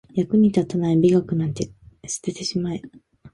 役に立たない美学なんか捨ててしまえ